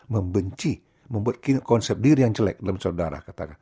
membenci membuat konsep diri yang jelek dalam saudara katakan